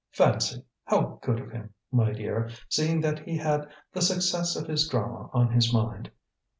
Fancy! how good of him, my dear, seeing that he had the success of his drama on his mind.